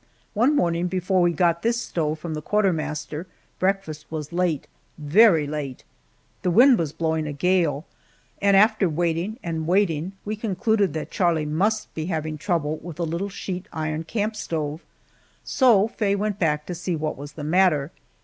One morning, before we got this stove from the quartermaster, breakfast was late, very late. The wind was blowing a gale, and after waiting and waiting, we concluded that Charlie must be having trouble with the little sheet iron camp stove. So Faye went back to see what was the matter.